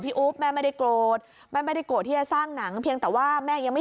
อุ๊บแม่ไม่ได้โกรธแม่ไม่ได้โกรธที่จะสร้างหนังเพียงแต่ว่าแม่ยังไม่